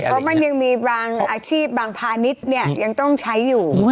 เพราะมันยังมีบางอาชีพบางพาณิชย์เนี่ยยังต้องใช้อยู่